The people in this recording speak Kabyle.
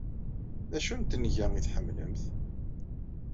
D acu n tenga ay tḥemmlemt?